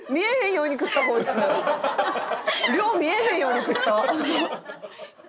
よう見えへんように食った。